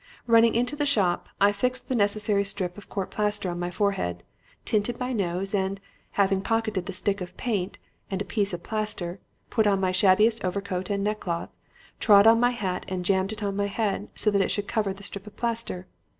Running into the shop, I fixed the necessary strip of court plaster on my forehead, tinted my nose, and, having pocketed the stick of paint and a piece of plaster, put on my shabbiest overcoat and a neck cloth, trod on my hat and jammed it on my head so that it should cover the strip of plaster.